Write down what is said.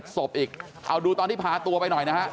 ศพอีกเอาดูตอนที่พาตัวไปหน่อยนะฮะ